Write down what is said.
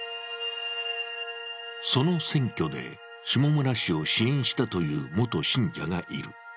その選挙で下村氏を支援したという元信者がいる。